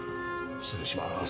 失礼します。